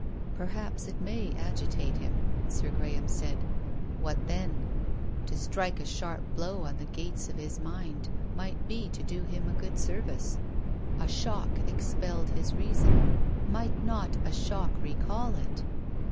" Perhaps it may agitate him," Sir Graham said. " What then ? To strike a sharp blow on the gates of his mind might be to do him a good ser vice. A shock expelled his reason. Might not a shock recall it